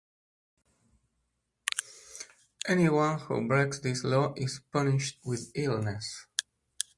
Anyone who breaks this law is punished with illness.